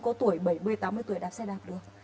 có tuổi bảy mươi tám mươi tuổi đạp xe đạp được